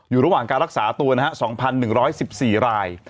อยู่ระหว่างการรักษาตัวนะฮะ๒๑๑๔ราย